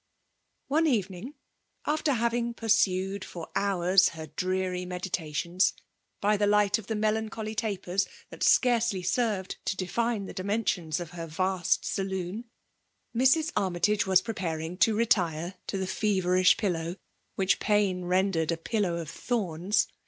One evening, after having pursued for hon^ her dreary meditations, by the light of the melancholy tapers that scarcely served U^ de* fin^ thQ dimensions of heir v^t saloon^ ^Sok jAltmytikge vab pteparing to retire to thd fi^^i^risfa pittow> whidi pain reiidercd a pillow of thorns, \?